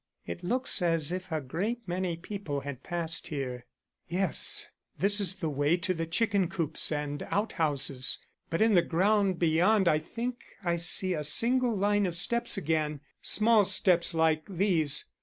It looks as if a great many people had passed here." "Yes, this is the way to the chicken coops and out houses. But in the ground beyond I think I see a single line of steps again, small steps like these.